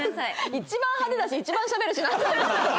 一番派手だし一番しゃべるしなんなんですか？